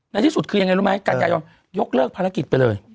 ที่สุดคือยังไงรู้ไหมกันยายนยกเลิกภารกิจไปเลย